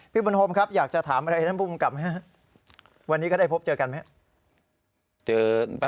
ที่อยู่ใกล้นะครับตามภาพนะครับที่อยู่ใกล้ที่เกิดเหตุนะครับ